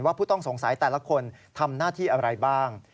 ผู้ต้องสงสัยแต่ละคนทำหน้าที่อะไรบ้าง